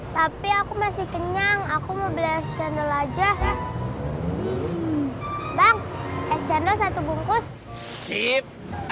tapi aku masih kenyang aku mau beli channel aja bang channel satu bungkus sip